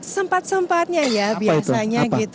sempat sempatnya ya biasanya gitu